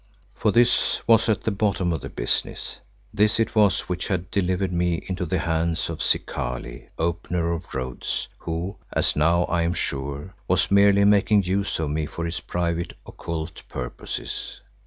For this was at the bottom of the business: this it was which had delivered me into the hands of Zikali, Opener of Roads, who, as now I am sure, was merely making use of me for his private occult purposes.